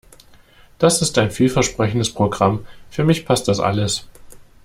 Das ist ein vielversprechendes Programm. Für mich passt das alles.